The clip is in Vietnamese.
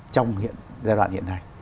trong giai đoạn hiện nay